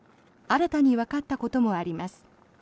新たにわかったこともあります。